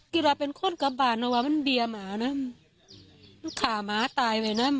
กี่รับเป็นคนกลับบ้านอ่ะว่ามันเบียงหมาน้ำขาหมาตายไปน้ำ